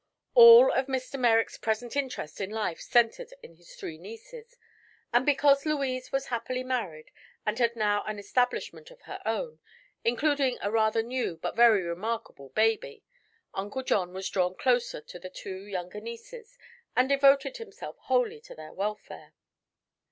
All of Mr. Merrick's present interest in life centered in his three nieces, and because Louise was happily married and had now an establishment of her own including a rather new but very remarkable baby Uncle John was drawn closer to the two younger nieces and devoted himself wholly to their welfare.